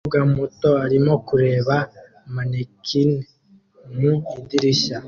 Umukobwa muto arimo kureba mannequin mu idirishya